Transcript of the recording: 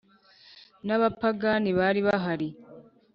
N'abapagani bari bahari